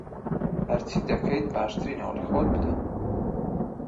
هەرچی دەکەیت، باشترین هەوڵی خۆت بدە.